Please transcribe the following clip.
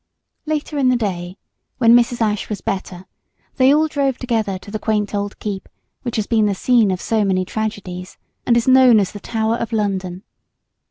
Later in the day, when Mrs. Ashe was better, they all drove together to the quaint old keep which has been the scene of so many tragedies, and is known as the Tower of London.